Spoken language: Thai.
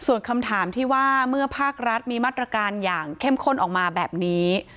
ส่วนคำถามที่ว่าเมื่อภาครัฐมีมาตรการอย่างเข้มข้นออกมาแบบนี้